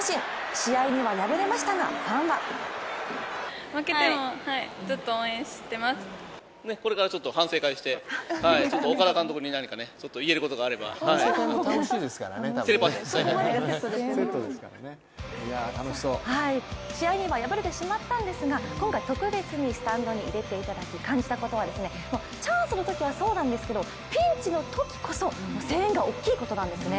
試合には敗れましたがファンは試合には敗れてしまったんですが今回特別にスタンドに入れていただき感じたことは、チャンスの時はそうなんですけど、ピンチの時こそ声援が大きいことなんですね。